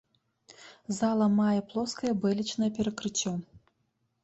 Зала мае плоскае бэлечнае перакрыцце.